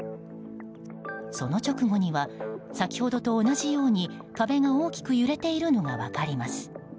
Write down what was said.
その直後には先ほどと同じように壁が大きく揺れているのが分かります。